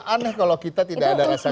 aneh kalau kita tidak ada suara kekecewaan